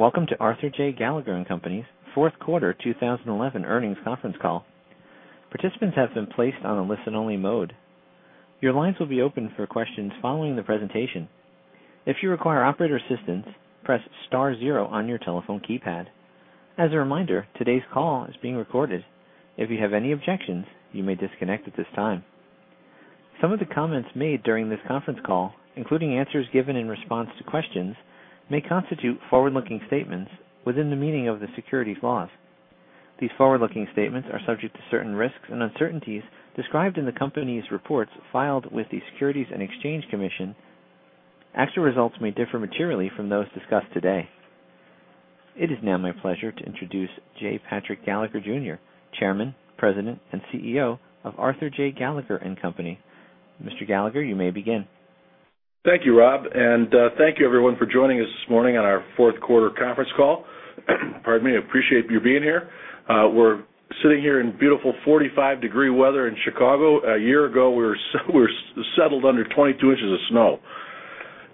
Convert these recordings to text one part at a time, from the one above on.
Good morning, and welcome to Arthur J. Gallagher & Co.'s fourth quarter 2011 earnings conference call. Participants have been placed on a listen-only mode. Your lines will be open for questions following the presentation. If you require operator assistance, press star zero on your telephone keypad. As a reminder, today's call is being recorded. If you have any objections, you may disconnect at this time. Some of the comments made during this conference call, including answers given in response to questions, may constitute forward-looking statements within the meaning of the securities laws. These forward-looking statements are subject to certain risks and uncertainties described in the company's reports filed with the Securities and Exchange Commission. Actual results may differ materially from those discussed today. It is now my pleasure to introduce J. Patrick Gallagher, Jr., Chairman, President, and CEO of Arthur J. Gallagher & Co.. Mr. Gallagher, you may begin. Thank you, Rob, and thank you everyone for joining us this morning on our fourth quarter conference call. Pardon me. I appreciate you being here. We're sitting here in beautiful 45-degree weather in Chicago. A year ago, we were settled under 22 inches of snow.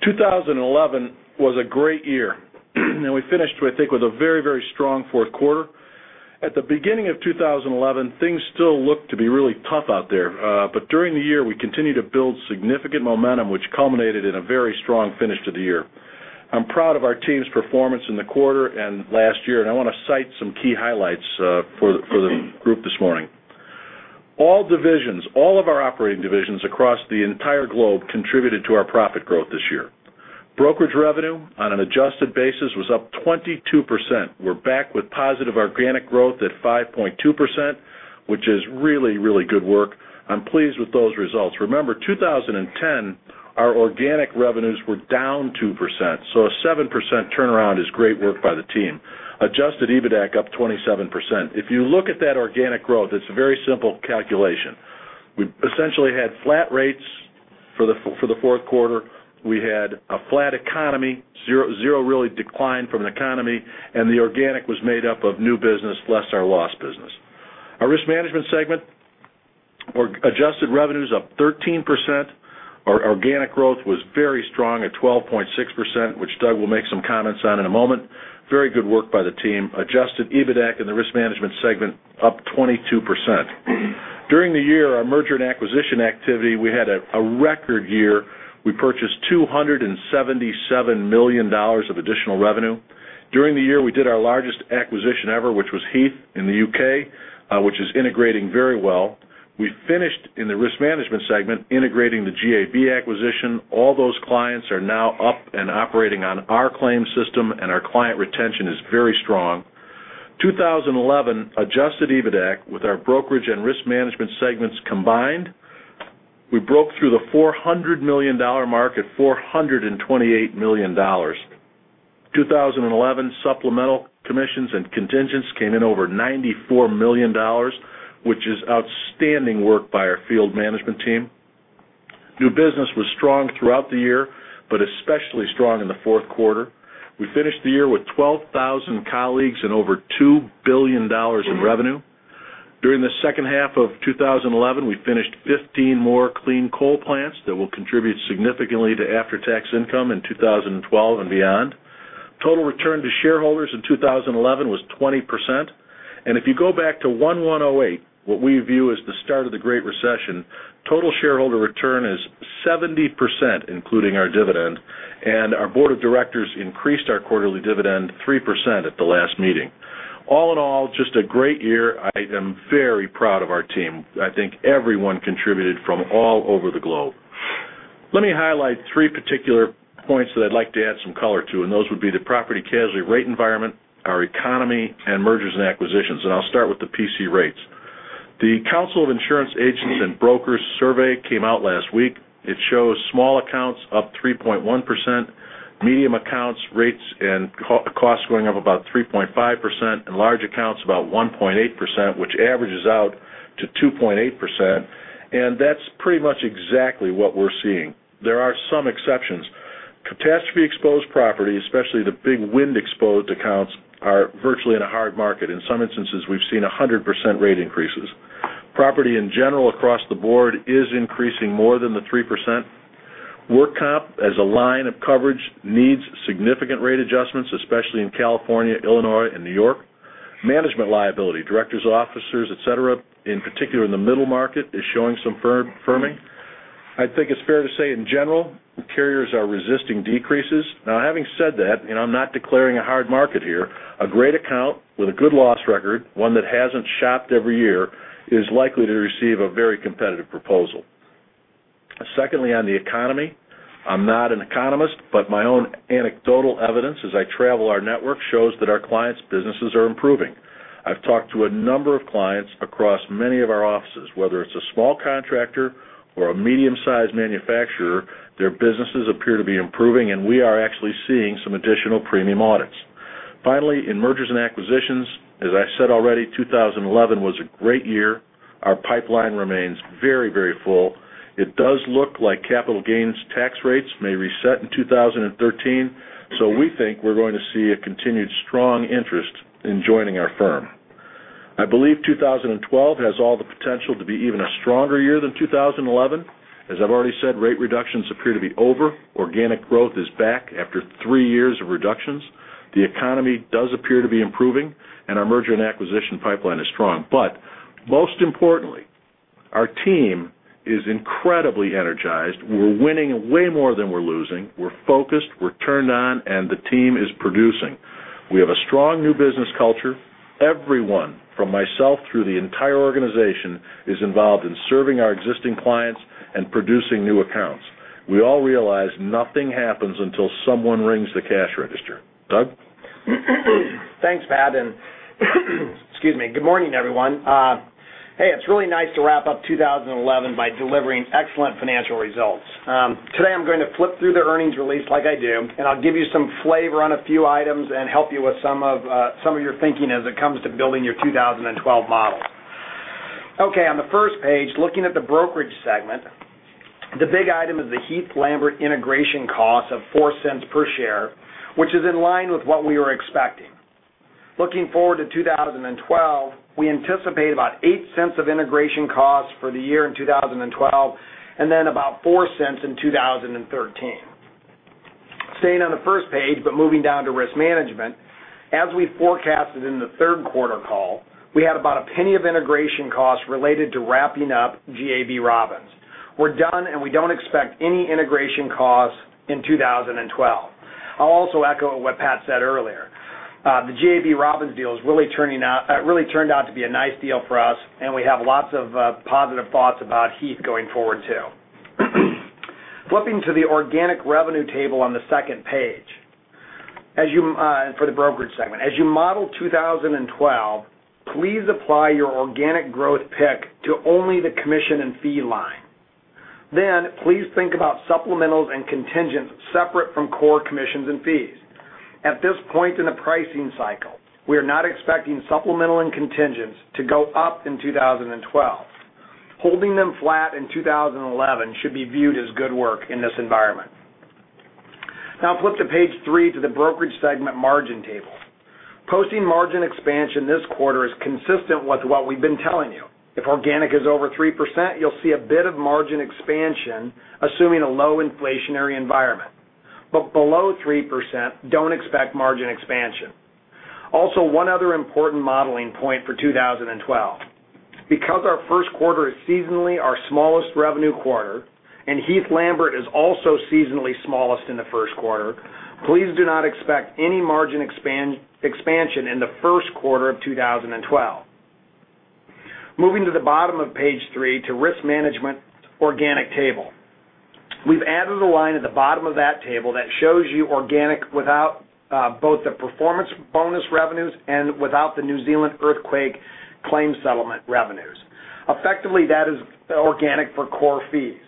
2011 was a great year. We finished, I think, with a very strong fourth quarter. At the beginning of 2011, things still looked to be really tough out there. During the year, we continued to build significant momentum, which culminated in a very strong finish to the year. I'm proud of our team's performance in the quarter and last year, and I want to cite some key highlights for the group this morning. All of our operating divisions across the entire globe contributed to our profit growth this year. Brokerage revenue on an adjusted basis was up 22%. We're back with positive organic growth at 5.2%, which is really good work. I'm pleased with those results. Remember, in 2010, our organic revenues were down 2%, so a 7% turnaround is great work by the team. Adjusted EBITAC up 27%. If you look at that organic growth, it's a very simple calculation. We essentially had flat rates for the fourth quarter. We had a flat economy, zero really decline from the economy, the organic was made up of new business, less our loss business. Our risk management segment, adjusted revenues up 13%. Our organic growth was very strong at 12.6%, which Doug will make some comments on in a moment. Very good work by the team. Adjusted EBITAC in the risk management segment up 22%. During the year, our merger and acquisition activity, we had a record year. We purchased $277 million of additional revenue. During the year, we did our largest acquisition ever, which was Heath in the U.K., which is integrating very well. We finished in the risk management segment, integrating the GAB acquisition. All those clients are now up and operating on our claim system, our client retention is very strong. 2011 adjusted EBITAC with our brokerage and risk management segments combined, we broke through the $400 million mark at $428 million. 2011 supplemental commissions and contingents came in over $94 million, which is outstanding work by our field management team. New business was strong throughout the year, especially strong in the fourth quarter. We finished the year with 12,000 colleagues and over $2 billion in revenue. During the second half of 2011, we finished 15 more clean coal plants that will contribute significantly to after-tax income in 2012 and beyond. Total return to shareholders in 2011 was 20%. If you go back to January 1, 2008, what we view as the start of the Great Recession, total shareholder return is 70%, including our dividend. Our board of directors increased our quarterly dividend 3% at the last meeting. All in all, just a great year. I am very proud of our team. I think everyone contributed from all over the globe. Let me highlight three particular points that I'd like to add some color to. Those would be the property casualty rate environment, our economy, and mergers and acquisitions. I'll start with the PC rates. The Council of Insurance Agents & Brokers survey came out last week. It shows small accounts up 3.1%, medium accounts rates and cost going up about 3.5%, and large accounts about 1.8%, which averages out to 2.8%. That's pretty much exactly what we're seeing. There are some exceptions. Catastrophe exposed property, especially the big wind exposed accounts, are virtually in a hard market. In some instances, we've seen 100% rate increases. Property in general across the board is increasing more than the 3%. Work comp as a line of coverage needs significant rate adjustments, especially in California, Illinois, and New York. Management liability, directors, officers, et cetera, in particular in the middle market, is showing some firming. I think it's fair to say, in general, carriers are resisting decreases. Having said that, I'm not declaring a hard market here, a great account with a good loss record, one that hasn't shopped every year, is likely to receive a very competitive proposal. Secondly, on the economy, I'm not an economist, but my own anecdotal evidence as I travel our network shows that our clients' businesses are improving. I've talked to a number of clients across many of our offices, whether it's a small contractor or a medium-sized manufacturer, their businesses appear to be improving. We are actually seeing some additional premium audits. Finally, in mergers and acquisitions, as I said already, 2011 was a great year. Our pipeline remains very full. It does look like capital gains tax rates may reset in 2013. We think we're going to see a continued strong interest in joining our firm. I believe 2012 has all the potential to be even a stronger year than 2011. As I've already said, rate reductions appear to be over. Organic growth is back after three years of reductions. The economy does appear to be improving. Our merger and acquisition pipeline is strong. Most importantly, our team is incredibly energized. We're winning way more than we're losing. We're focused, we're turned on. The team is producing. We have a strong new business culture. Everyone, from myself through the entire organization, is involved in serving our existing clients and producing new accounts. We all realize nothing happens until someone rings the cash register. Doug? Thanks, Pat, and excuse me. Good morning, everyone. It's really nice to wrap up 2011 by delivering excellent financial results. Today, I'm going to flip through the earnings release like I do, I'll give you some flavor on a few items and help you with some of your thinking as it comes to building your 2012 model. Okay, on the first page, looking at the brokerage segment, the big item is the Heath Lambert integration cost of $0.04 per share, which is in line with what we were expecting. Looking forward to 2012, we anticipate about $0.08 of integration costs for the year in 2012, then about $0.04 in 2013. Staying on the first page moving down to risk management, as we forecasted in the third quarter call, we had about $0.01 of integration costs related to wrapping up GAB Robins. We're done, we don't expect any integration costs in 2012. I'll also echo what Pat said earlier. The GAB Robins deal really turned out to be a nice deal for us, we have lots of positive thoughts about Heath going forward, too. Flipping to the organic revenue table on the second page for the brokerage segment. As you model 2012, please apply your organic growth pick to only the commission and fee line. Please think about supplementals and contingents separate from core commissions and fees. At this point in the pricing cycle, we are not expecting supplemental and contingents to go up in 2012. Holding them flat in 2011 should be viewed as good work in this environment. Flip to page three, to the brokerage segment margin table. Posting margin expansion this quarter is consistent with what we've been telling you. If organic is over 3%, you'll see a bit of margin expansion, assuming a low inflationary environment. Below 3%, don't expect margin expansion. Also, one other important modeling point for 2012. Because our first quarter is seasonally our smallest revenue quarter Heath Lambert is also seasonally smallest in the first quarter, please do not expect any margin expansion in the first quarter of 2012. Moving to the bottom of page three to risk management organic table. We've added a line at the bottom of that table that shows you organic without both the performance bonus revenues and without the New Zealand earthquake claim settlement revenues. Effectively, that is organic for core fees.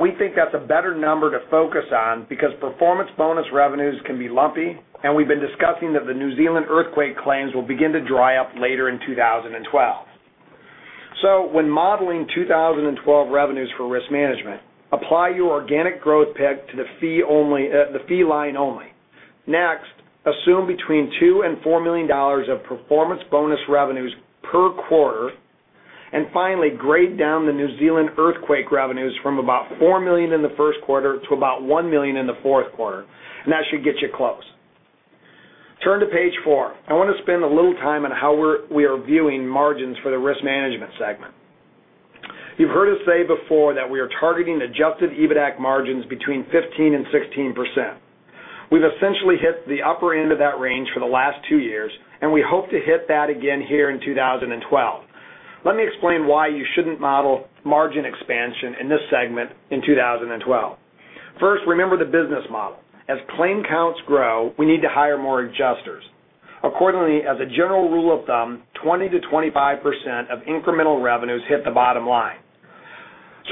We think that's a better number to focus on because performance bonus revenues can be lumpy, we've been discussing that the New Zealand earthquake claims will begin to dry up later in 2012. When modeling 2012 revenues for risk management, apply your organic growth pick to the fee line only. Next, assume between $2 million-$4 million of performance bonus revenues per quarter. Finally, grade down the New Zealand earthquake revenues from about $4 million in the first quarter to about $1 million in the fourth quarter. That should get you close. Turn to page four. I want to spend a little time on how we are viewing margins for the risk management segment. You've heard us say before that we are targeting adjusted EBITAC margins between 15%-16%. We've essentially hit the upper end of that range for the last two years, we hope to hit that again here in 2012. Let me explain why you shouldn't model margin expansion in this segment in 2012. First, remember the business model. As claim counts grow, we need to hire more adjusters. Accordingly, as a general rule of thumb, 20%-25% of incremental revenues hit the bottom line.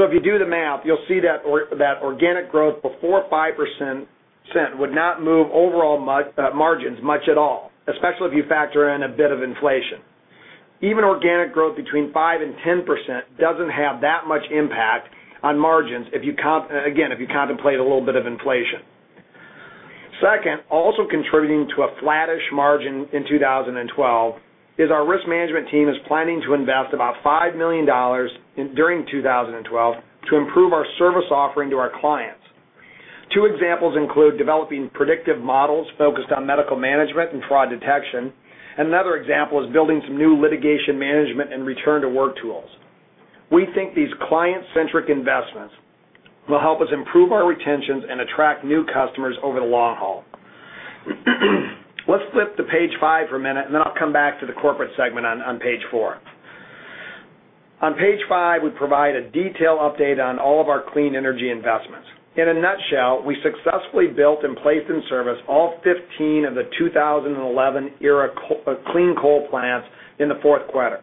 If you do the math, you'll see that organic growth before 5% would not move overall margins much at all, especially if you factor in a bit of inflation. Even organic growth between 5% and 10% doesn't have that much impact on margins, again, if you contemplate a little bit of inflation. Second, also contributing to a flattish margin in 2012 is our risk management team is planning to invest about $5 million during 2012 to improve our service offering to our clients. Two examples include developing predictive models focused on medical management and fraud detection. Another example is building some new litigation management and return to work tools. We think these client centric investments will help us improve our retentions and attract new customers over the long haul. Let's flip to page five for a minute, and then I'll come back to the corporate segment on page four. On page five, we provide a detailed update on all of our clean energy investments. In a nutshell, we successfully built and placed in service all 15 of the 2011 era clean coal plants in the fourth quarter.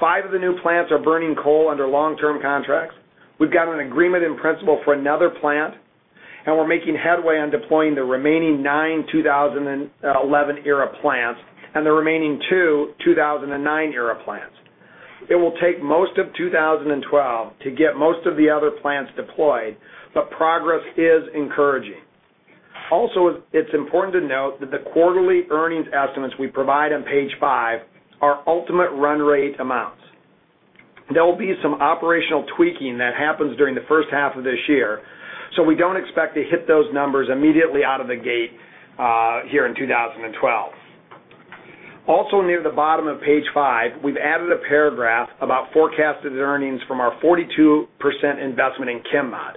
Five of the new plants are burning coal under long-term contracts. We've got an agreement in principle for another plant, and we're making headway on deploying the remaining nine 2011 era plants and the remaining two 2009 era plants. It will take most of 2012 to get most of the other plants deployed, but progress is encouraging. Also, it's important to note that the quarterly earnings estimates we provide on page five are ultimate run rate amounts. There will be some operational tweaking that happens during the first half of this year. We don't expect to hit those numbers immediately out of the gate here in 2012. Also, near the bottom of page five, we've added a paragraph about forecasted earnings from our 42% investment in ChemMod.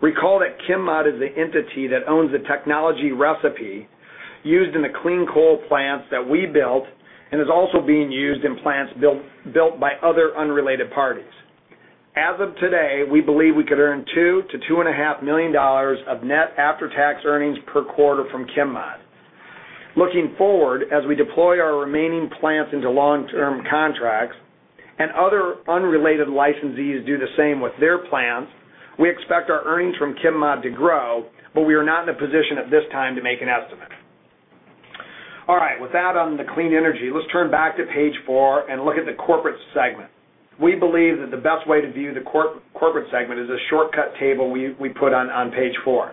Recall that ChemMod is the entity that owns the technology recipe used in the clean coal plants that we built and is also being used in plants built by other unrelated parties. As of today, we believe we could earn $2 million-$2.5 million of net after-tax earnings per quarter from ChemMod. Looking forward, as we deploy our remaining plants into long-term contracts and other unrelated licensees do the same with their plants, we expect our earnings from ChemMod to grow, but we are not in a position at this time to make an estimate. All right, with that on the clean energy, let's turn back to page four and look at the corporate segment. We believe that the best way to view the corporate segment is a shortcut table we put on page four.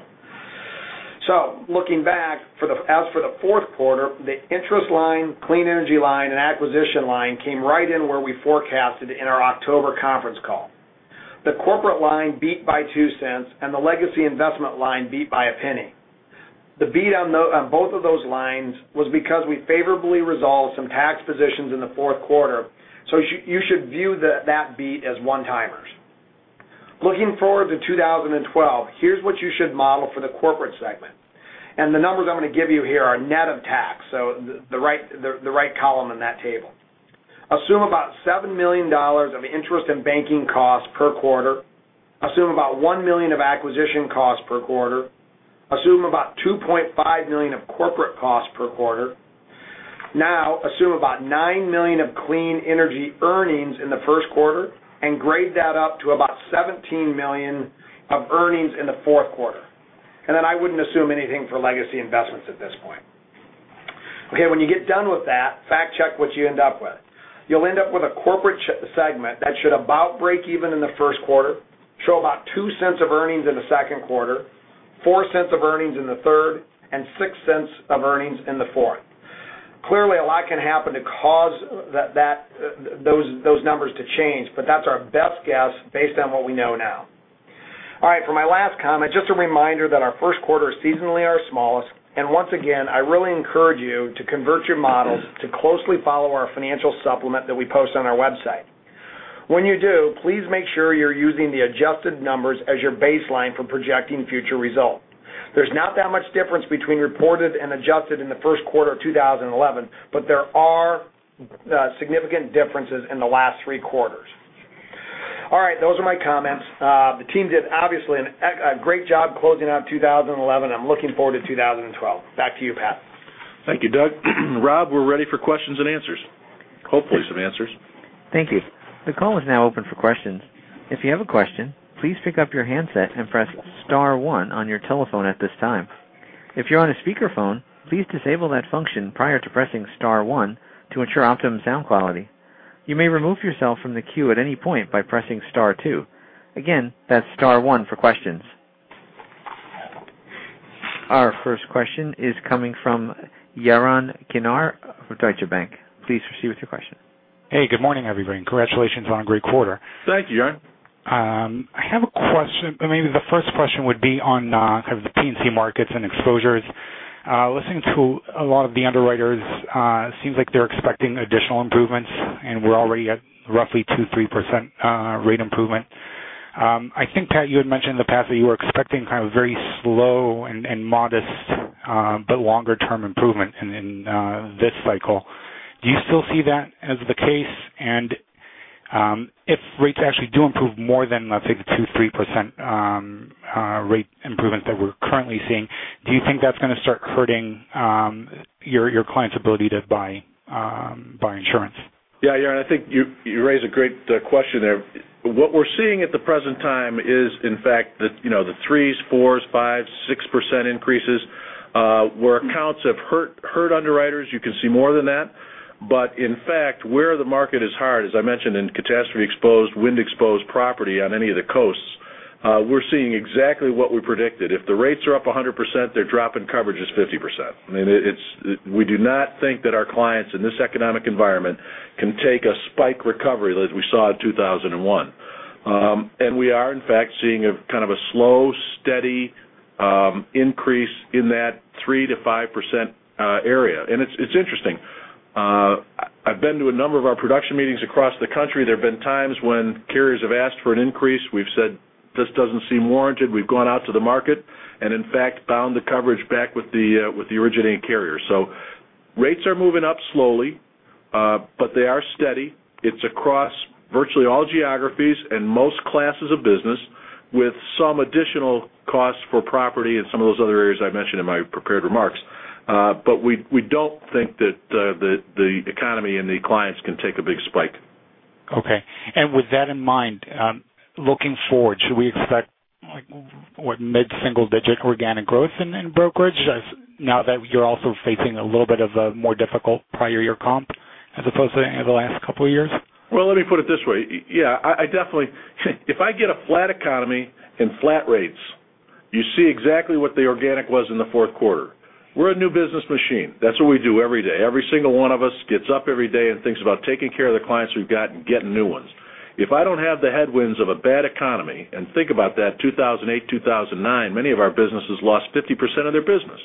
Looking back, as for the fourth quarter, the interest line, clean energy line, and acquisition line came right in where we forecasted in our October conference call. The corporate line beat by $0.02, and the legacy investment line beat by $0.01. The beat on both of those lines was because we favorably resolved some tax positions in the fourth quarter. You should view that beat as one-timers. Looking forward to 2012, here's what you should model for the corporate segment. The numbers I'm going to give you here are net of tax, so the right column in that table. Assume about $7 million of interest in banking costs per quarter. Assume about $1 million of acquisition costs per quarter. Assume about $2.5 million of corporate costs per quarter. Assume about $9 million of clean energy earnings in the first quarter and grade that up to about $17 million of earnings in the fourth quarter. I wouldn't assume anything for legacy investments at this point. When you get done with that, fact check what you end up with. You'll end up with a corporate segment that should about break even in the first quarter, show about $0.02 of earnings in the second quarter, $0.04 of earnings in the third, and $0.06 of earnings in the fourth. Clearly, a lot can happen to cause those numbers to change, but that's our best guess based on what we know now. For my last comment, just a reminder that our first quarter seasonally are our smallest. Once again, I really encourage you to convert your models to closely follow our financial supplement that we post on our website. When you do, please make sure you're using the adjusted numbers as your baseline for projecting future results. There's not that much difference between reported and adjusted in the first quarter of 2011, but there are significant differences in the last three quarters. Those are my comments. The team did obviously a great job closing out 2011. I'm looking forward to 2012. Back to you, Pat. Thank you, Doug. Rob, we're ready for questions and answers. Hopefully, some answers. Thank you. The call is now open for questions. If you have a question, please pick up your handset and press *1 on your telephone at this time. If you're on a speakerphone, please disable that function prior to pressing *1 to ensure optimum sound quality. You may remove yourself from the queue at any point by pressing *2. Again, that's *1 for questions. Our first question is coming from Yaron Kinar from Deutsche Bank. Please proceed with your question. Hey, good morning, everyone. Congratulations on a great quarter. Thank you, Yaron. I have a question. Maybe the first question would be on kind of the P&C markets and exposures. Listening to a lot of the underwriters, seems like they're expecting additional improvements, and we're already at roughly 2%-3% rate improvement. I think, Pat, you had mentioned in the past that you were expecting kind of very slow and modest but longer-term improvement in this cycle. Do you still see that as the case? If rates actually do improve more than, let's say, the 2%-3% rate improvement that we're currently seeing, do you think that's going to start hurting your client's ability to buy insurance? Yeah, Yaron, I think you raise a great question there. What we're seeing at the present time is, in fact, the 3%, 4%, 5%, 6% increases, where accounts have hurt underwriters, you can see more than that. In fact, where the market is hard, as I mentioned, in catastrophe-exposed, wind-exposed property on any of the coasts, we're seeing exactly what we predicted. If the rates are up 100%, they're dropping coverage is 50%. I mean, we do not think that our clients in this economic environment can take a spike recovery as we saw in 2001. We are in fact seeing a kind of a slow, steady increase in that 3%-5% area. It's interesting. I've been to a number of our production meetings across the country. There have been times when carriers have asked for an increase. We've said, "This doesn't seem warranted." We've gone out to the market and, in fact, bound the coverage back with the originating carrier. Rates are moving up slowly, but they are steady. It's across virtually all geographies and most classes of business, with some additional costs for property and some of those other areas I mentioned in my prepared remarks. We don't think that the economy and the clients can take a big spike. Okay. With that in mind, looking forward, should we expect mid-single-digit organic growth in brokerage? Now that you're also facing a little bit of a more difficult prior year comp as opposed to the last couple of years? Well, let me put it this way. If I get a flat economy and flat rates, you see exactly what the organic was in the fourth quarter. We're a new business machine. That's what we do every day. Every single one of us gets up every day and thinks about taking care of the clients we've got and getting new ones. If I don't have the headwinds of a bad economy, think about that, 2008, 2009, many of our businesses lost 50% of their business.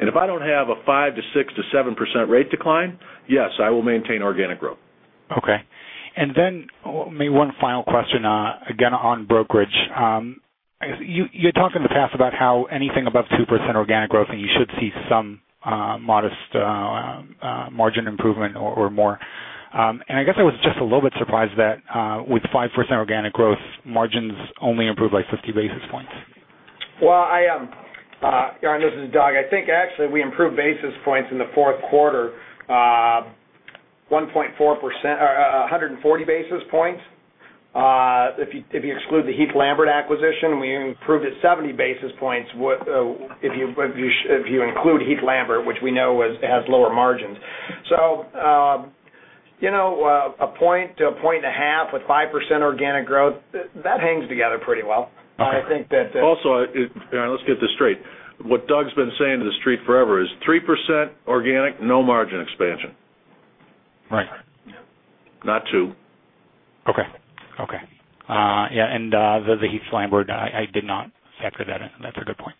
If I don't have a 5%-6%-7% rate decline, yes, I will maintain organic growth. Okay. Then, maybe one final question, again, on brokerage. You talked in the past about how anything above 2% organic growth, you should see some modest margin improvement or more. I guess I was just a little bit surprised that with 5% organic growth, margins only improved by 50 basis points. This is Doug. I think actually we improved basis points in the fourth quarter, 140 basis points. If you exclude the Heath Lambert acquisition, we improved it 70 basis points, if you include Heath Lambert, which we know has lower margins. A point to a point and a half with 5% organic growth, that hangs together pretty well. Let's get this straight. What Doug's been saying to the street forever is 3% organic, no margin expansion. Right. Not two. Okay. The Heath Lambert, I did not factor that in. That's a good point.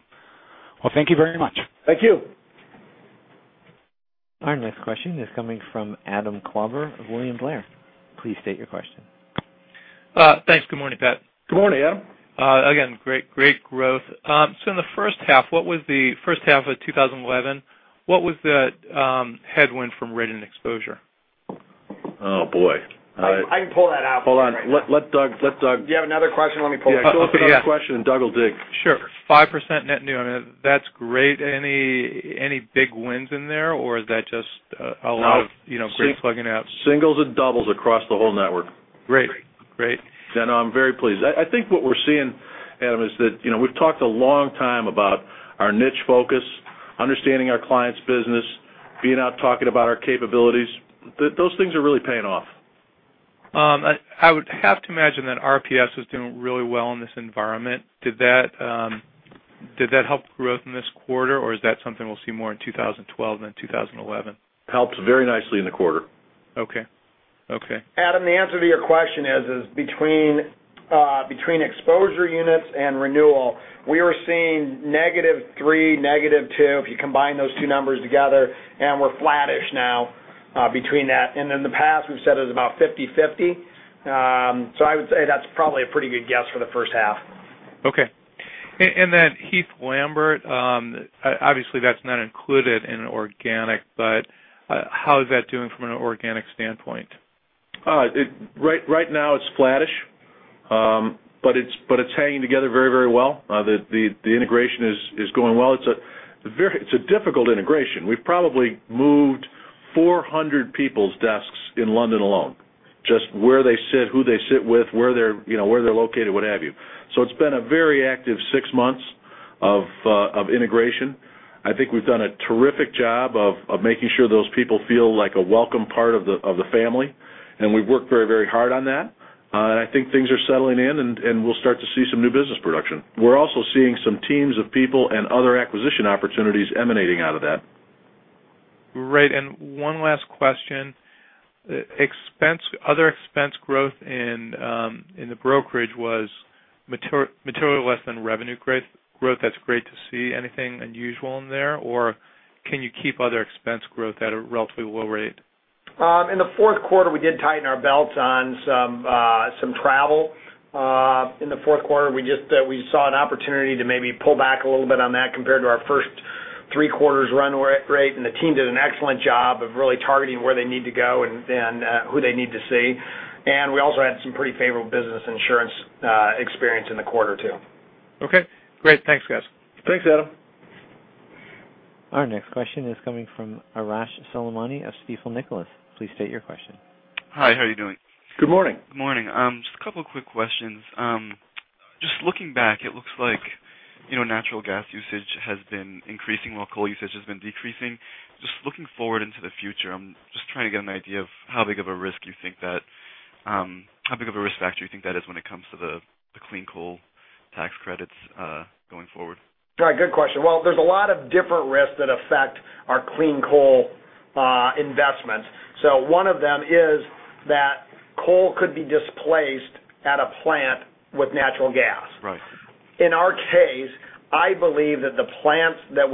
Well, thank you very much. Thank you. Our next question is coming from Adam Klauber of William Blair. Please state your question. Thanks. Good morning, Pat. Good morning, Adam. Again, great growth. In the first half of 2011, what was the headwind from rate and exposure? Oh, boy. I can pull that out. Hold on. Let Doug. Do you have another question? Let me pull it up. Yeah. Pull up another question, Doug will dig. Sure. 5% net new. That's great. Any big wins in there or is that just a lot of? No. Great plugging out? Singles and doubles across the whole network. Great. I'm very pleased. I think what we're seeing, Adam, is that we've talked a long time about our niche focus, understanding our clients' business, being out talking about our capabilities. Those things are really paying off. I would have to imagine that RPS is doing really well in this environment. Did that help growth in this quarter, or is that something we'll see more in 2012 than 2011? Helped very nicely in the quarter. Okay. Adam, the answer to your question is between exposure units and renewal, we are seeing negative three, negative two, if you combine those two numbers together, and we're flattish now between that. In the past, we've said it was about 50/50. I would say that's probably a pretty good guess for the first half. Okay. Heath Lambert, obviously, that's not included in organic, but how is that doing from an organic standpoint? Right now it's flattish. It's hanging together very well. The integration is going well. It's a difficult integration. We've probably moved 400 people's desks in London alone. Just where they sit, who they sit with, where they're located, what have you. It's been a very active six months of integration. I think we've done a terrific job of making sure those people feel like a welcome part of the family, and we've worked very hard on that. I think things are settling in, and we'll start to see some new business production. We're also seeing some teams of people and other acquisition opportunities emanating out of that. One last question. Other expense growth in the brokerage was materially less than revenue growth. That's great to see. Anything unusual in there, or can you keep other expense growth at a relatively low rate? In the fourth quarter, we did tighten our belts on some travel. In the fourth quarter, we saw an opportunity to maybe pull back a little bit on that compared to our first three quarters run rate. The team did an excellent job of really targeting where they need to go and who they need to see. We also had some pretty favorable business insurance experience in the quarter, too. Okay, great. Thanks, guys. Thanks, Adam. Our next question is coming from Arash Soleimani of Stifel Nicolaus. Please state your question. Hi, how are you doing? Good morning. Good morning. Just a couple of quick questions. Just looking back, it looks like natural gas usage has been increasing while coal usage has been decreasing. Just looking forward into the future, I'm just trying to get an idea of how big of a risk factor you think that is when it comes to the clean coal tax credits going forward. Right. Good question. Well, there's a lot of different risks that affect our clean coal investments. One of them is that coal could be displaced at a plant with natural gas. Right. In our case, I believe that the utilities that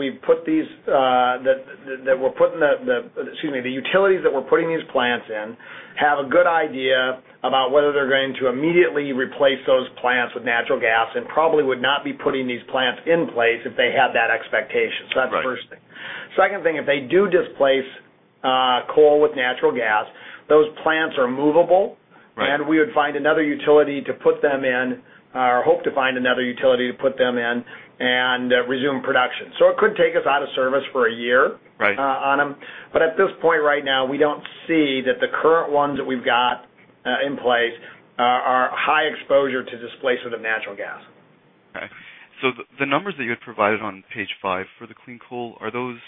we're putting these plants in have a good idea about whether they're going to immediately replace those plants with natural gas and probably would not be putting these plants in place if they had that expectation. Right. That's the first thing. Second thing, if they do displace coal with natural gas, those plants are movable. Right. We would find another utility to put them in, or hope to find another utility to put them in and resume production. It could take us out of service for a year. Right on them. At this point right now, we don't see that the current ones that we've got in place are high exposure to displacement of natural gas. Okay. The numbers that you had provided on page five for the clean coal, are those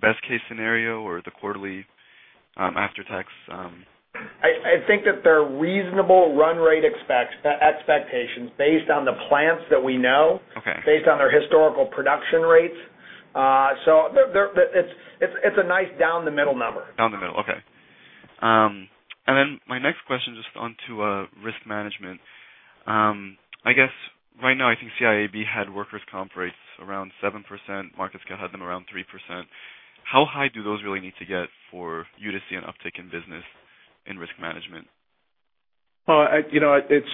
best case scenario or the quarterly after-tax? I think that they're reasonable run rate expectations based on the plants that we know. Okay based on their historical production rates. It's a nice down the middle number. Down the middle. Okay. My next question, just onto Risk Management. I guess right now, I think CIAB had workers' comp rates around 7%, MarketScout had them around 3%. How high do those really need to get for you to see an uptick in business in Risk Management? Well, it's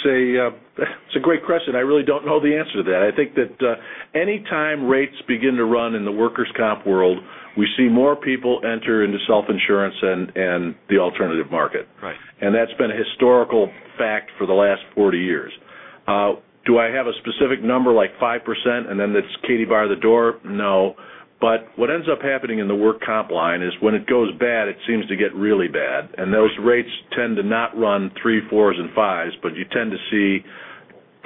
a great question. I really don't know the answer to that. I think that anytime rates begin to run in the workers' comp world, we see more people enter into self-insurance and the alternative market. Right. That's been a historical fact for the last 40 years. Do I have a specific number, like 5%, and then it's Katie bar the door? No. What ends up happening in the work comp line is when it goes bad, it seems to get really bad, and those rates tend to not run three, four and five, but you tend to see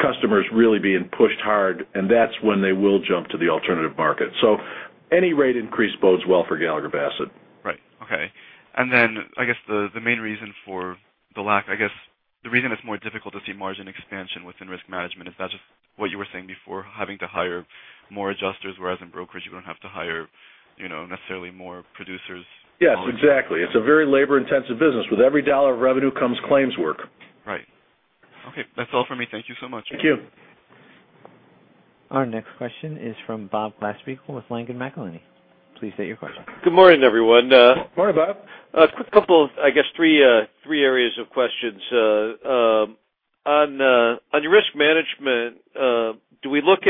customers really being pushed hard, and that's when they will jump to the alternative market. Any rate increase bodes well for Gallagher Bassett. Right. Okay. I guess the main reason for the lack, I guess the reason it's more difficult to see margin expansion within Risk Management is that just what you were saying before, having to hire more adjusters, whereas in Brokerage you don't have to hire necessarily more producers? Yes, exactly. It's a very labor intensive business. With every dollar of revenue comes claims work. Right. Okay. That's all for me. Thank you so much. Thank you. Our next question is from Bob Glasspiegel with Langen McAlenney. Please state your question. Good morning, everyone. Morning, Bob. A quick couple of, I guess three areas of questions. On your risk management, do we look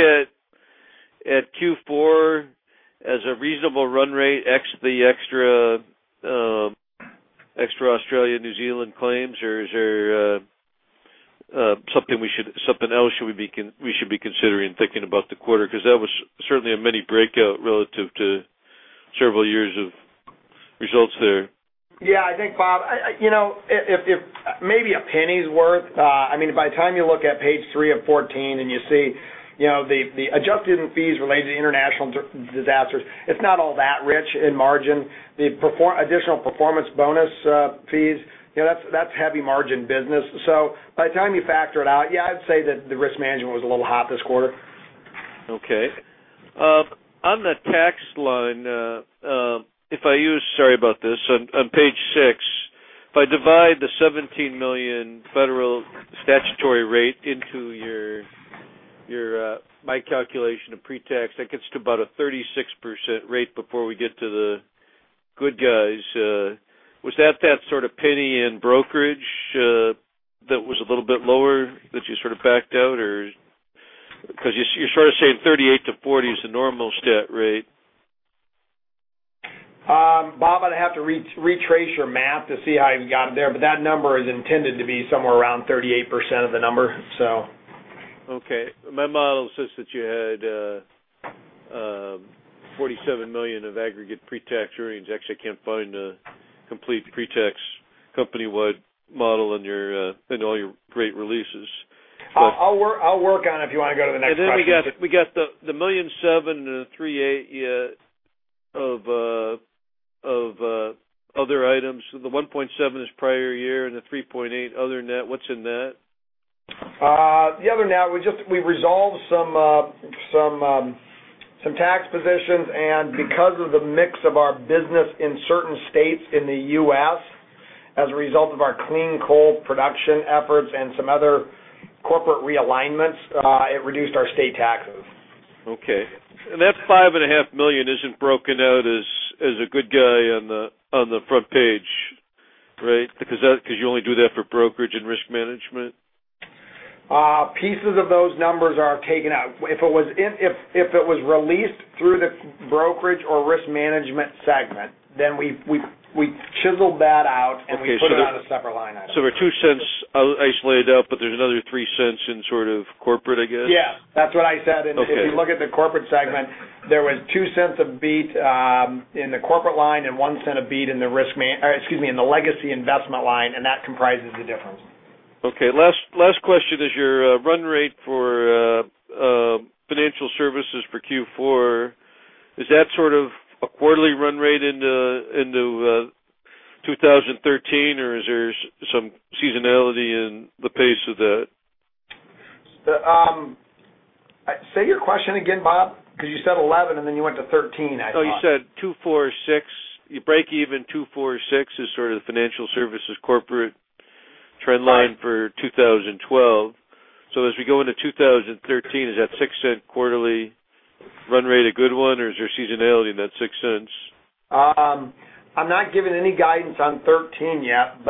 at Q4 as a reasonable run rate, ex the extra Australia, New Zealand claims, or is there something else we should be considering thinking about the quarter? Because that was certainly a mini breakout relative to several years of results there. Yeah. I think, Bob, maybe a penny's worth. By the time you look at page three of 14 and you see the adjusted fees related to international disasters, it's not all that rich in margin. The additional performance bonus fees, that's heavy margin business. By the time you factor it out, yeah, I'd say that the risk management was a little hot this quarter. Okay. On the tax line, if I use, sorry about this, on page six, if I divide the $17 million federal statutory rate into my calculation of pre-tax, that gets to about a 36% rate before we get to the good guys. Was that sort of penny in brokerage that was a little bit lower that you sort of backed out, or? You're sort of saying 38%-40% is the normal stat rate. Bob, I'd have to retrace your math to see how you got it there, but that number is intended to be somewhere around 38% of the number. Okay. My model says that you had $47 million of aggregate pre-tax earnings. Actually, I can't find a complete pre-tax company-wide model in all your great releases. I'll work on it if you want to go to the next question. We got the $1.7 million and the $3.8 of other items. The $1.7 is prior year and the $3.8 other net. What's in that? The other net, we resolved some tax positions because of the mix of our business in certain states in the U.S., as a result of our clean coal production efforts and some other corporate realignments, it reduced our state taxes. Okay. That five and a half million isn't broken out as a good guy on the front page, right? Because you only do that for brokerage and risk management? Pieces of those numbers are taken out. If it was released through the brokerage or risk management segment, we chiseled that out and we put it on a separate line item. There are $0.02 isolated out, but there's another $0.03 in sort of Corporate, I guess? Yeah, that's what I said. Okay. If you look at the Corporate segment, there was $0.02 of beat in the Corporate line and $0.01 of beat in the legacy investment line, and that comprises the difference. Okay. Last question is your run rate for financial services for Q4, is that sort of a quarterly run rate into 2013, or is there some seasonality in the pace of that? Say your question again, Bob, because you said 11 and then you went to 13, I thought. No, you said two, four, six. You break even two, four, six is sort of the financial services corporate trend line for 2012. As we go into 2013, is that $0.06 quarterly run rate a good one or is there seasonality in that $0.06? I'm not giving any guidance on 2013 yet,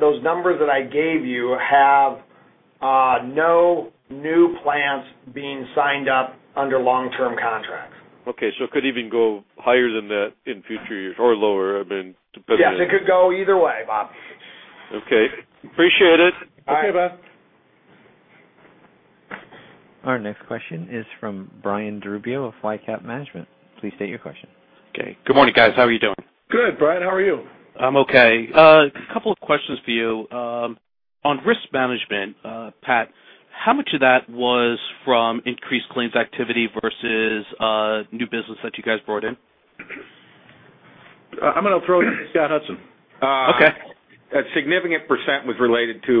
those numbers that I gave you have no new plants being signed up under long-term contracts. Okay. it could even go higher than that in future years or lower. Yes, it could go either way, Bob. Okay. Appreciate it. All right. Okay, Bob. Our next question is from Brian DiRubbio of YCAP Management. Please state your question. Good morning, guys. How are you doing? Good, Brian. How are you? I'm okay. A couple of questions for you. On risk management, Pat, how much of that was from increased claims activity versus new business that you guys brought in? I'm going to throw that to Scott Hudson. Okay. A significant percent was related to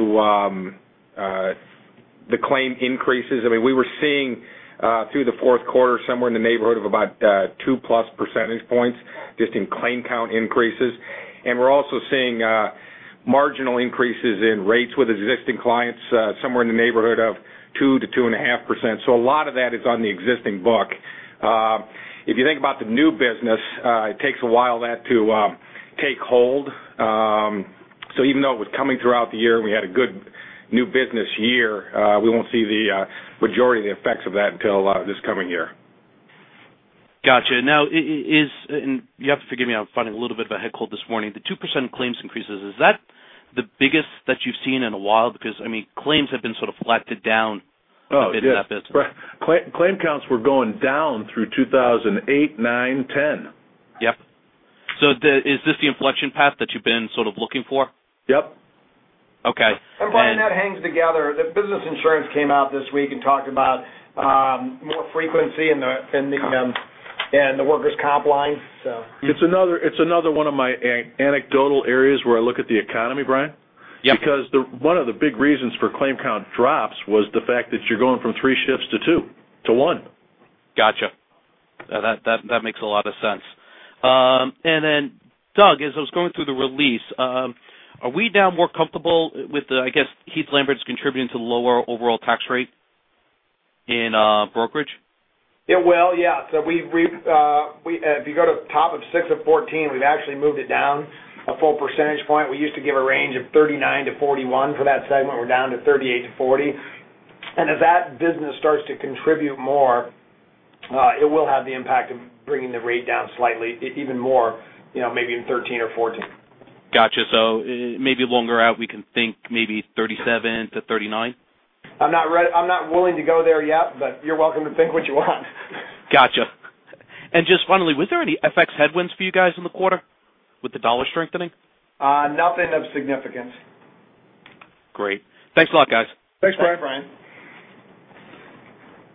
the claim increases. We were seeing through the fourth quarter, somewhere in the neighborhood of about 2+ percentage points just in claim count increases. We're also seeing marginal increases in rates with existing clients, somewhere in the neighborhood of 2%-2.5%. A lot of that is on the existing book. If you think about the new business, it takes a while for that to take hold. Even though it was coming throughout the year, we had a good new business year, we won't see the majority of the effects of that until this coming year. Got you. You have to forgive me, I'm fighting a little bit of a head cold this morning. The 2% claims increases, is that the biggest that you've seen in a while? Claims have been sort of flattened down. Oh, yes. a bit in that business. Claim counts were going down through 2008, 2009, 2010. Yep. Is this the inflection path that you've been sort of looking for? Yep. Okay. Brian, that hangs together. The Business Insurance came out this week and talked about more frequency in the workers' comp lines. It's another one of my anecdotal areas where I look at the economy, Brian. Yeah. One of the big reasons for claim count drops was the fact that you're going from three shifts to two, to one. Got you. That makes a lot of sense. Doug, as I was going through the release, are we now more comfortable with, I guess, Heath Lambert's contribution to the lower overall tax rate in brokerage? It will, yeah. If you go to top of six of 14, we've actually moved it down a full percentage point. We used to give a range of 39%-41% for that segment, we're down to 38%-40%. As that business starts to contribute more, it will have the impact of bringing the rate down slightly, even more, maybe in 2013 or 2014. Got you. Maybe longer out, we can think maybe 37%-39%? I'm not willing to go there yet, but you're welcome to think what you want. Got you. Just finally, was there any FX headwinds for you guys in the quarter with the U.S. dollar strengthening? Nothing of significance. Great. Thanks a lot, guys. Thanks, Brian. Thanks, Brian.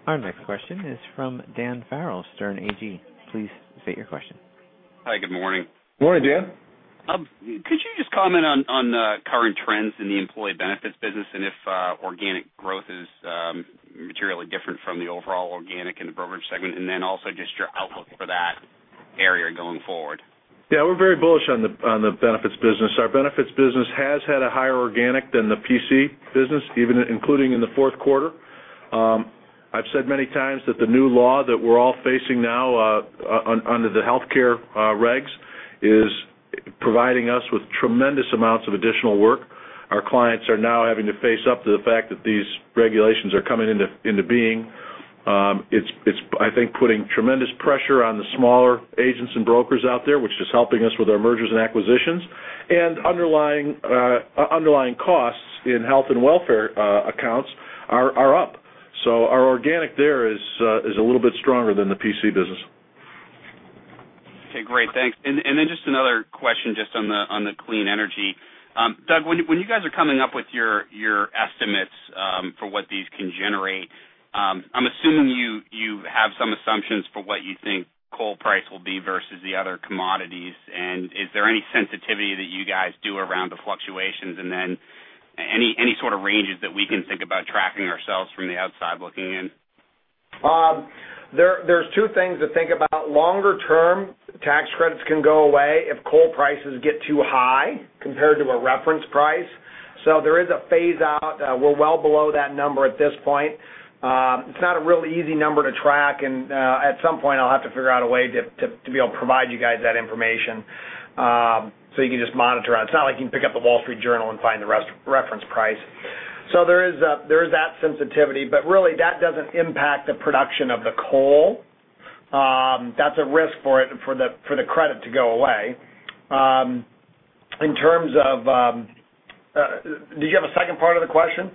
Our next question is from Dan Farrell, Sterne Agee. Please state your question. Hi, good morning. Morning, Dan. Could you just comment on the current trends in the employee benefits business, and if organic growth is materially different from the overall organic in the brokerage segment, and then also just your outlook for that area going forward? Yeah, we're very bullish on the benefits business. Our benefits business has had a higher organic than the PC business, even including in the fourth quarter. I've said many times that the new law that we're all facing now under the healthcare regs is providing us with tremendous amounts of additional work. Our clients are now having to face up to the fact that these regulations are coming into being. It's, I think, putting tremendous pressure on the smaller agents and brokers out there, which is helping us with our mergers and acquisitions, and underlying costs in health and welfare accounts are up. Our organic there is a little bit stronger than the PC business. Okay, great. Thanks. Just another question just on the clean energy. Doug, when you guys are coming up with your estimates for what these can generate, I'm assuming you have some assumptions for what you think coal price will be versus the other commodities. Is there any sensitivity that you guys do around the fluctuations, then any sort of ranges that we can think about tracking ourselves from the outside looking in? There's two things to think about. Longer term, tax credits can go away if coal prices get too high compared to a reference price. There is a phase-out. We're well below that number at this point. It's not a real easy number to track, and at some point, I'll have to figure out a way to be able to provide you guys that information so you can just monitor. It's not like you can pick up The Wall Street Journal and find the reference price. There is that sensitivity, but really, that doesn't impact the production of the coal. That's a risk for the credit to go away. Do you have a second part of the question?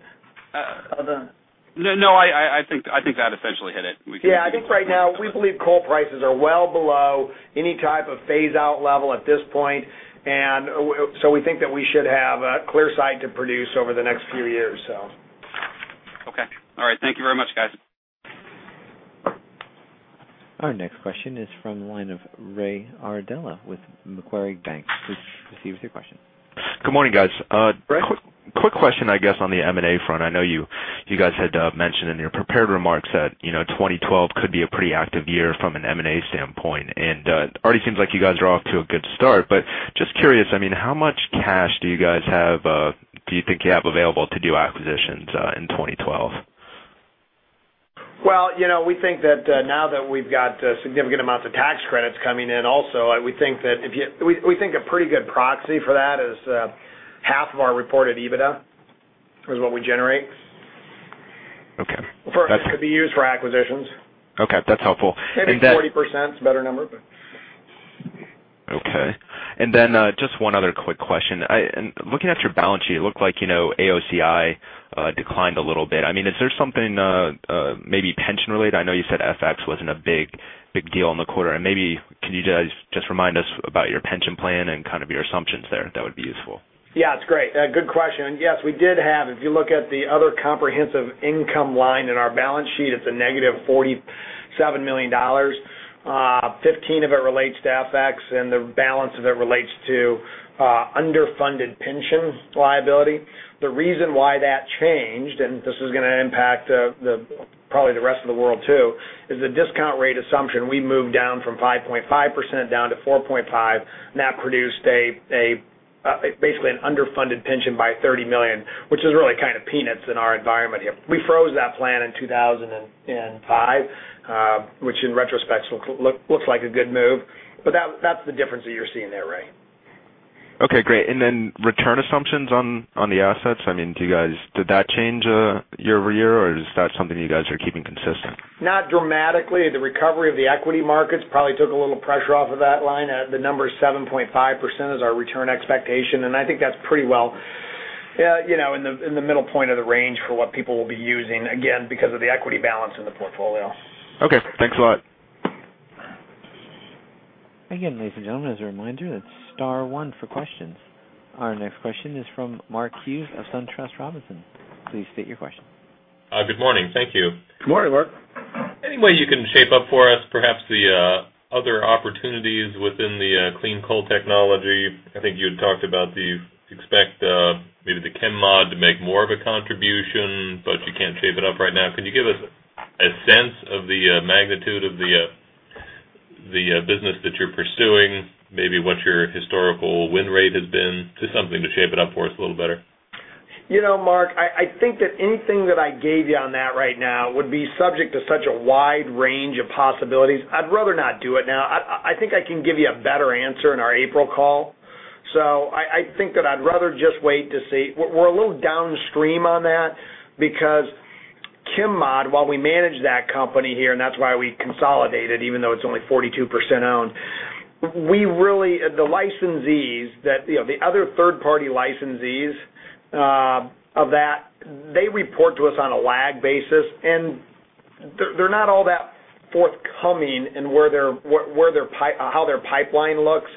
No, I think that essentially hit it. Yeah, I think right now, we believe coal prices are well below any type of phase-out level at this point. We think that we should have a clear sight to produce over the next few years, so. Okay. All right. Thank you very much, guys. Our next question is from the line of Ray Iardella with Macquarie Bank. Please proceed with your question. Good morning, guys. Ray. Quick question, I guess, on the M&A front. I know you guys had mentioned in your prepared remarks that 2012 could be a pretty active year from an M&A standpoint, and it already seems like you guys are off to a good start. Just curious, how much cash do you think you have available to do acquisitions in 2012? Well, we think that now that we've got significant amounts of tax credits coming in also, we think a pretty good proxy for that is half of our reported EBITDA is what we generate. Okay. Could be used for acquisitions. Okay. That's helpful. Maybe 40% is a better number. Okay. Just one other quick question. Looking at your balance sheet, it looked like AOCI declined a little bit. Is there something maybe pension-related? I know you said FX wasn't a big deal in the quarter, maybe could you guys just remind us about your pension plan and kind of your assumptions there? That would be useful. Yeah, it's great. Good question. Yes, we did have, if you look at the other comprehensive income line in our balance sheet, it's a negative $47 million. 15 of it relates to FX and the balance of it relates to underfunded pension liability. The reason why that changed, and this is going to impact probably the rest of the world too, is the discount rate assumption. We moved down from 5.5% down to 4.5%, and that produced basically an underfunded pension by $30 million, which is really kind of peanuts in our environment here. We froze that plan in 2005, which in retrospect looks like a good move, but that's the difference that you're seeing there, Ray. Okay, great. Return assumptions on the assets. Did that change year-over-year, or is that something you guys are keeping consistent? Not dramatically. The recovery of the equity markets probably took a little pressure off of that line. The number 7.5% is our return expectation, and I think that's pretty well in the middle point of the range for what people will be using, again, because of the equity balance in the portfolio. Okay, thanks a lot. Again, ladies and gentlemen, as a reminder, that's star one for questions. Our next question is from Mark Hughes of SunTrust Robinson. Please state your question. Good morning. Thank you. Good morning, Mark. Any way you can shape up for us, perhaps the other opportunities within the clean coal technology? I think you had talked about you expect maybe the ChemMod to make more of a contribution, but you can't shape it up right now. Could you give us a sense of the magnitude of the business that you're pursuing? Maybe what your historical win rate has been? Just something to shape it up for us a little better. Mark, I think that anything that I gave you on that right now would be subject to such a wide range of possibilities. I'd rather not do it now. I think I can give you a better answer in our April call. I think that I'd rather just wait to see. We're a little downstream on that because ChemMod, while we manage that company here, and that's why we consolidated, even though it's only 42% owned. The other third-party licensees of that, they report to us on a lag basis, and they're not all that forthcoming in how their pipeline looks.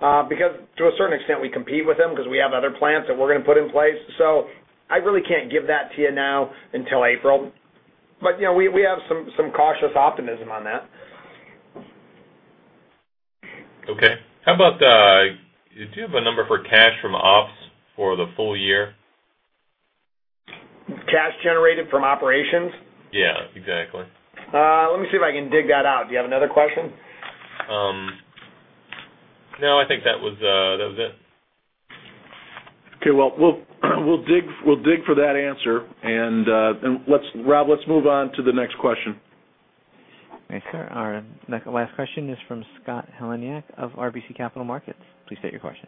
Because to a certain extent, we compete with them because we have other plants that we're going to put in place. I really can't give that to you now until April. We have some cautious optimism on that. Okay. Do you have a number for cash from ops for the full year? Cash generated from operations? Yeah, exactly. Let me see if I can dig that out. Do you have another question? No, I think that was it. Okay. Well, we'll dig for that answer. Bob, let's move on to the next question. Yes, sir. Our last question is from Scott Heleniak of RBC Capital Markets. Please state your question.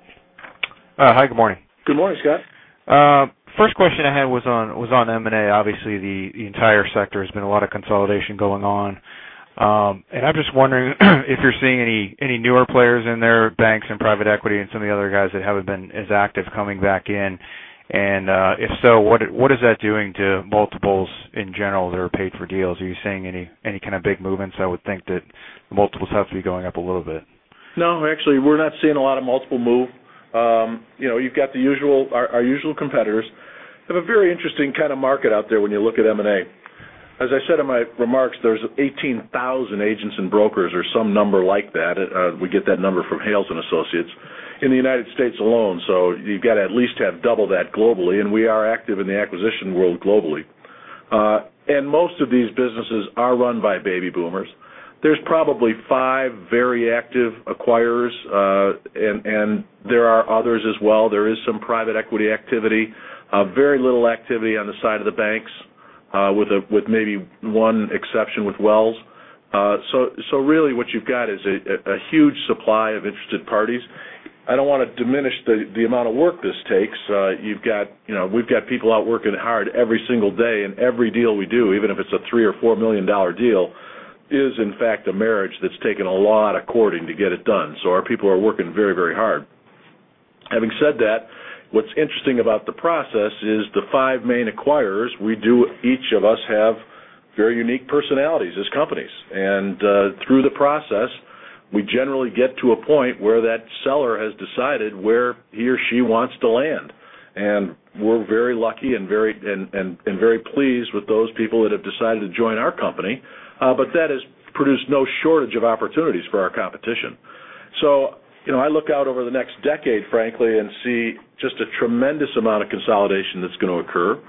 Hi. Good morning. Good morning, Scott. First question I had was on M&A. Obviously, the entire sector, there's been a lot of consolidation going on. I'm just wondering if you're seeing any newer players in there, banks and private equity, and some of the other guys that haven't been as active coming back in. If so, what is that doing to multiples in general that are paid for deals? Are you seeing any kind of big movements? I would think that multiples have to be going up a little bit. No, actually, we're not seeing a lot of multiple move. You've got our usual competitors. We have a very interesting kind of market out there when you look at M&A. As I said in my remarks, there's 18,000 agents and brokers or some number like that, we get that number from Hales & Associates, in the U.S. alone. You've got to at least have double that globally, and we are active in the acquisition world globally. Most of these businesses are run by baby boomers. There's probably five very active acquirers, and there are others as well. There is some private equity activity. Very little activity on the side of the banks, with maybe one exception with Wells. Really what you've got is a huge supply of interested parties. I don't want to diminish the amount of work this takes. We've got people out working hard every single day, and every deal we do, even if it's a $3 or $4 million deal, is, in fact, a marriage that's taken a lot of courting to get it done. Our people are working very, very hard. Having said that, what's interesting about the process is the five main acquirers, each of us have very unique personalities as companies. Through the process, we generally get to a point where that seller has decided where he or she wants to land. We're very lucky and very pleased with those people that have decided to join our company. That has produced no shortage of opportunities for our competition. I look out over the next decade, frankly, and see just a tremendous amount of consolidation that's going to occur,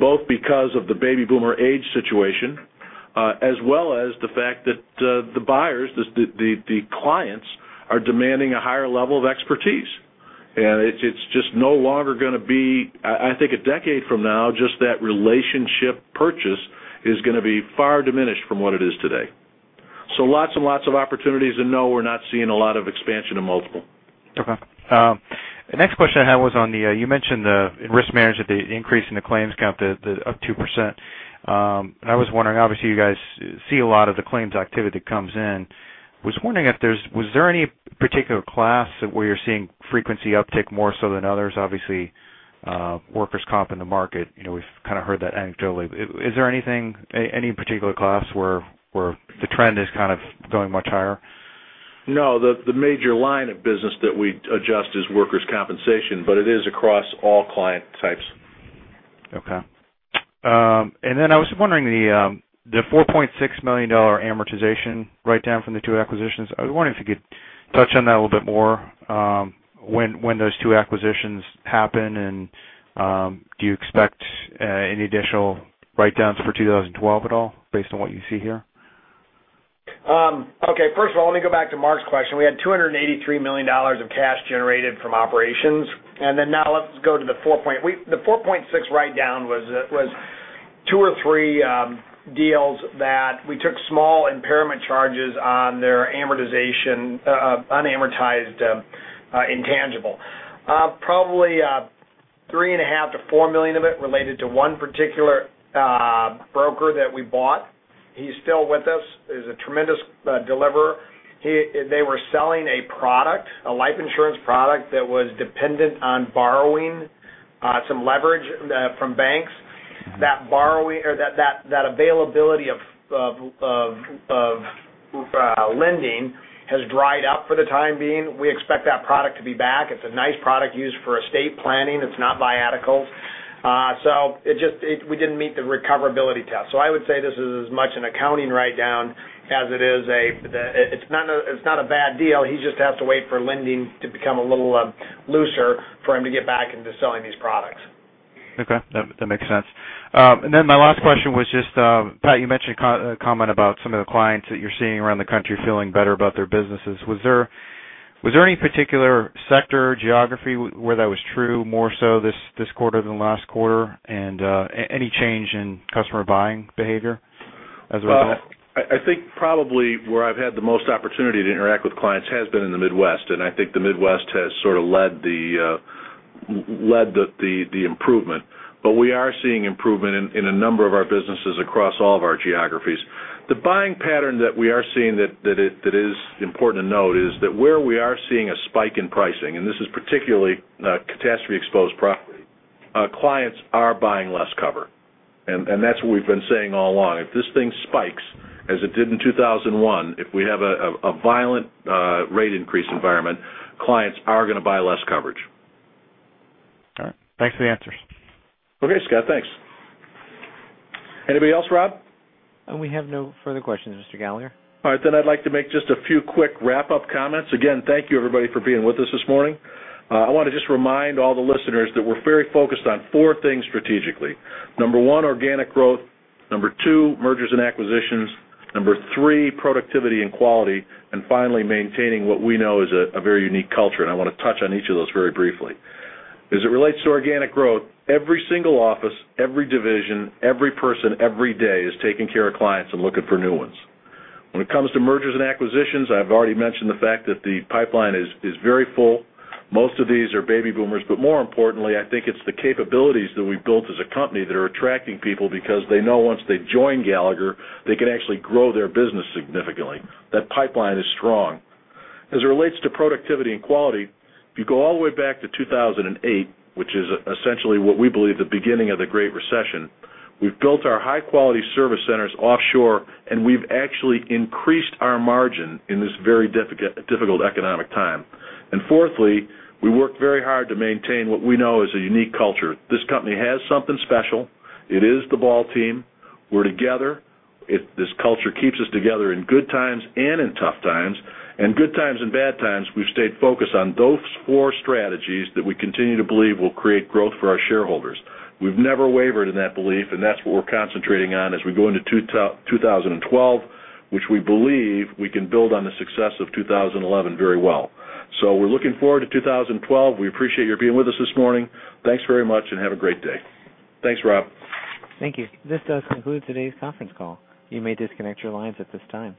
both because of the baby boomer age situation, as well as the fact that the buyers, the clients are demanding a higher level of expertise. It's just no longer going to be I think a decade from now, just that relationship purchase is going to be far diminished from what it is today. Lots and lots of opportunities, and no, we're not seeing a lot of expansion in multiple. Okay. The next question I had was on the, you mentioned the risk management, the increase in the claims count up 2%. I was wondering, obviously, you guys see a lot of the claims activity that comes in. Was wondering, was there any particular class where you're seeing frequency uptick more so than others? Obviously, workers' comp in the market, we've kind of heard that anecdotally. Is there any particular class where the trend is kind of going much higher? No, the major line of business that we adjust is workers' compensation, but it is across all client types. Okay. The $4.6 million amortization write-down from the two acquisitions, I was wondering if you could touch on that a little bit more. When those two acquisitions happen, do you expect any additional write-downs for 2012 at all based on what you see here? Okay. First of all, let me go back to Mark's question. We had $283 million of cash generated from operations. Let's go to the four point. The $4.6 million write-down was two or three deals that we took small impairment charges on their unamortized intangible. Probably, $3.5 million-$4 million of it related to one particular broker that we bought. He's still with us. He's a tremendous deliverer. They were selling a product, a life insurance product, that was dependent on borrowing some leverage from banks. That availability of lending has dried up for the time being. We expect that product to be back. It's a nice product used for estate planning. It's not viaticals. We didn't meet the recoverability test. I would say this is as much an accounting write-down. It's not a bad deal. He just has to wait for lending to become a little looser for him to get back into selling these products. Okay. That makes sense. My last question was just, Pat, you mentioned a comment about some of the clients that you're seeing around the country feeling better about their businesses. Was there any particular sector, geography where that was true more so this quarter than last quarter, and any change in customer buying behavior as a result? I think probably where I've had the most opportunity to interact with clients has been in the Midwest, and I think the Midwest has sort of led the improvement. We are seeing improvement in a number of our businesses across all of our geographies. The buying pattern that we are seeing that is important to note is that where we are seeing a spike in pricing, and this is particularly catastrophe-exposed property, clients are buying less cover. That's what we've been saying all along. If this thing spikes, as it did in 2001, if we have a violent rate increase environment, clients are going to buy less coverage. All right. Thanks for the answers. Okay, Scott. Thanks. Anybody else, Rob? We have no further questions, Mr. Gallagher. All right. I'd like to make just a few quick wrap-up comments. Again, thank you everybody for being with us this morning. I want to just remind all the listeners that we're very focused on four things strategically. Number one, organic growth. Number two, mergers and acquisitions. Number three, productivity and quality. Finally, maintaining what we know is a very unique culture. I want to touch on each of those very briefly. As it relates to organic growth, every single office, every division, every person, every day is taking care of clients and looking for new ones. When it comes to mergers and acquisitions, I've already mentioned the fact that the pipeline is very full. Most of these are baby boomers, but more importantly, I think it's the capabilities that we've built as a company that are attracting people because they know once they join Gallagher, they can actually grow their business significantly. That pipeline is strong. As it relates to productivity and quality, if you go all the way back to 2008, which is essentially what we believe the beginning of the Great Recession, we've built our high-quality service centers offshore, and we've actually increased our margin in this very difficult economic time. Fourthly, we work very hard to maintain what we know is a unique culture. This company has something special. It is the ball team. We're together. This culture keeps us together in good times and in tough times. In good times and bad times, we've stayed focused on those four strategies that we continue to believe will create growth for our shareholders. We've never wavered in that belief, and that's what we're concentrating on as we go into 2012, which we believe we can build on the success of 2011 very well. We're looking forward to 2012. We appreciate your being with us this morning. Thanks very much and have a great day. Thanks, Bob. Thank you. This does conclude today's conference call. You may disconnect your lines at this time.